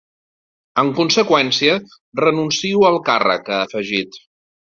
En conseqüència, renuncio al càrrec, ha afegit.